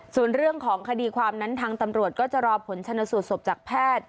ส่วนเรื่องของคดีความนั้นทางตำรวจก็จะรอผลชนสูตรศพจากแพทย์